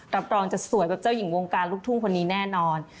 รับรองจะสวยแบบเจ้าหญิงวงการลูกทุ่งคนนี้แน่นอน